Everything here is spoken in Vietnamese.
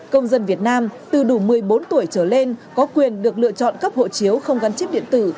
công dân việt nam từ đủ một mươi bốn tuổi trở lên có quyền được lựa chọn cấp hộ chiếu không gắn chip điện tử